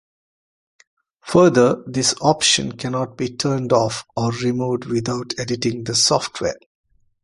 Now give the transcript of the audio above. Further, this option cannot be turned off or removed without editing the software.